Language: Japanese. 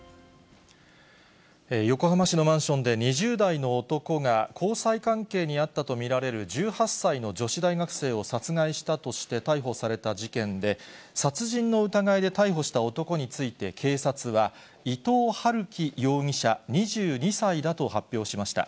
横浜市のマンションで、２０代の男が交際関係にあったと見られる１８歳の女子大学生を殺害したとして逮捕された事件で、殺人の疑いで逮捕した男について、警察は伊藤はるき容疑者２２歳だと発表しました。